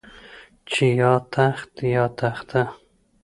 چې يا تخت يا تخته.